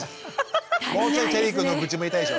もうちょいチェリー君の愚痴も言いたいでしょ？